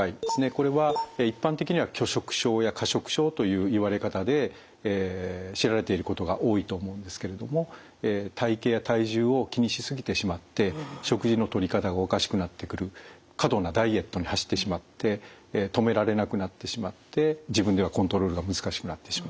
これは一般的には拒食症や過食症という言われ方で知られていることが多いと思うんですけれども体型や体重を気にしすぎてしまって食事のとり方がおかしくなってくる過度なダイエットに走ってしまって止められなくなってしまって自分ではコントロールが難しくなってしまう。